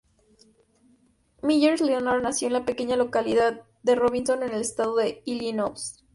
Meyers Leonard nació en la pequeña localidad de Robinson, en el Estado de Illinois.